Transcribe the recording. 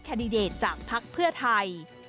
แดดิเดตจากภักดิ์เพื่อไทย